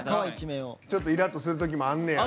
ちょっとイラッとするときもあんねや。